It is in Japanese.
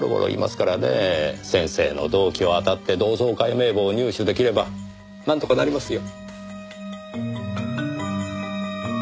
先生の同期を当たって同窓会名簿を入手出来ればなんとかなりますよ。